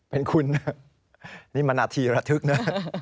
เป็นคุณนะนี่มันนาทีระทึกนะ